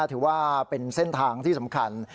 ถือว่าเป็นเส้นทางที่สำคัญ